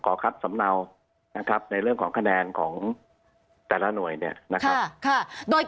ขอครับสำเนาในเรื่องของคะแนนของแต่ละหน่วยเนี่ย